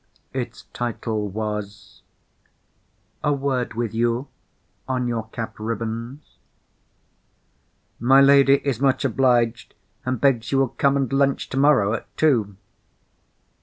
Its title was, "A Word With You On Your Cap Ribbons." "My lady is much obliged, and begs you will come and lunch tomorrow at two."